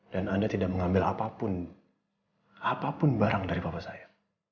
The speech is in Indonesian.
dan anda tidak mengambil apapun apapun barang dari papa saya